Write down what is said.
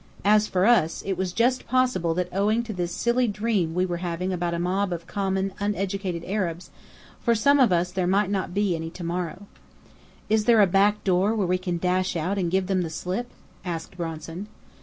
As for us it was just possible that owing to this silly dream we were having about a mob of common, uneducated Arabs, for some of us there might not be any to morrow. "Is there a back door where we can dash out and give them the slip?" asked Bronson.